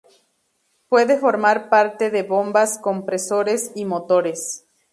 Puede formar parte de bombas, compresores y motores.